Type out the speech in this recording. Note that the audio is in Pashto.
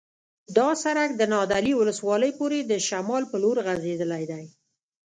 دا سرک د نادعلي ولسوالۍ پورې د شمال په لور غځېدلی دی